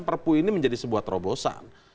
perpu ini menjadi sebuah terobosan